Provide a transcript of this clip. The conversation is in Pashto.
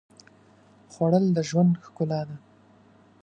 خوړل د ژوند ښکلا ده